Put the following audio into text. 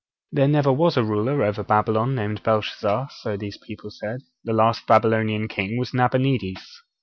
'There never was a ruler over Babylon named Belshazzar' so these people said; 'the last Babylonian king was Nabonides.'